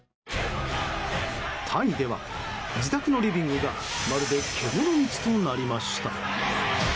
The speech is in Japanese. タイでは自宅のリビングがまるで獣道となりました。